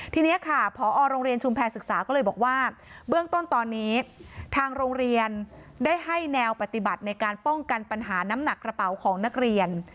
ทีนี้ค่ะพอโรงเรียนชุมแพรศึกษาก็เลยบอกว่าเบื้องต้นตอนนี้ทางโรงเรียนได้ให้แนวปฏิบัติในการป้องกันปัญหาน้ำหนักกระเป๋าของนักเรียน